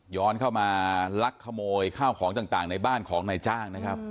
เข้ามาลักขโมยข้าวของต่างในบ้านของนายจ้างนะครับ